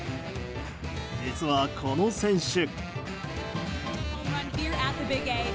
実は、この選手。